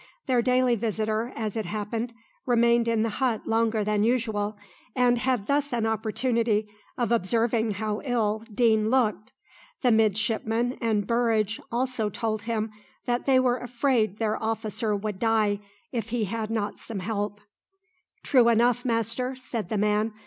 Their daily visitor, as it happened, remained in the hut longer than usual, and had thus an opportunity of observing how ill Deane looked. The midshipmen and Burridge also told him that they were afraid their officer would die if he had not some help. "True enough, master," said the man.